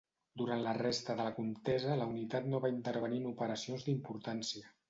Durant la resta de la contesa la unitat no va intervenir en operacions d'importància.